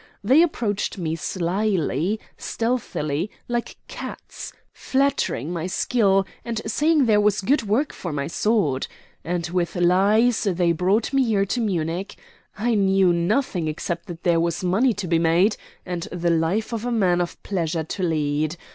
They approached me slyly, stealthily, like cats, flattering my skill, and saying there was good work for my sword. And with lies they brought me here to Munich. I knew nothing except that there was money to be made, and the life of a man of pleasure to lead.